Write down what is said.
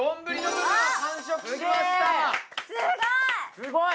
すごい！